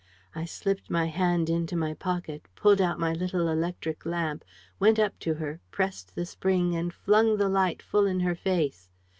I slipped my hand into my pocket, pulled out my little electric lamp, went up to her, pressed the spring and flung the light full in her face.